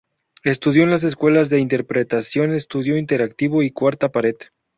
Estudió en las escuelas de interpretación Estudio Interactivo y Cuarta Pared.